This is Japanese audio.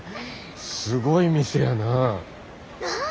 すごい店やなあ。